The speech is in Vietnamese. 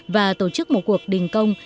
và tổ chức một cuộc đình công